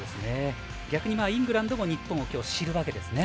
逆にイングランドも日本を今日知るわけですね。